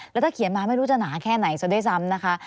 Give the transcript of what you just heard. แล้วถ้าเขียนมาไม่รู้จะหนาแค่ไหนซะด้วยซ้ำนะคะ